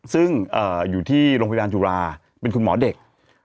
ซึ่งอยู่ที่โรงพยาบาลจุฬาเป็นคุณหมอเด็ก